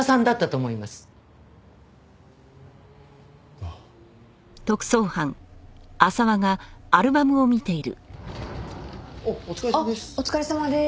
あっお疲れさまです。